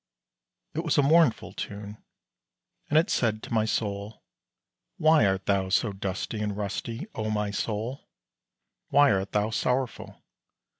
It was a mournful tune, and it said to my soul, "Why art thou so dusty and rusty, O my soul, why art thou sorrowful?